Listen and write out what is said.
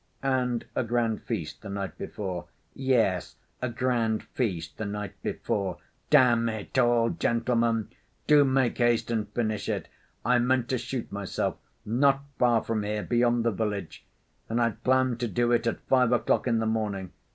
"And a grand feast the night before?" "Yes, a grand feast the night before. Damn it all, gentlemen! Do make haste and finish it. I meant to shoot myself not far from here, beyond the village, and I'd planned to do it at five o'clock in the morning.